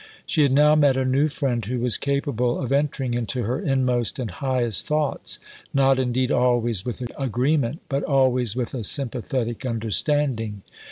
She had now met a new friend who was capable of entering into her inmost and highest thoughts, not indeed always with agreement, but always with a sympathetic understanding.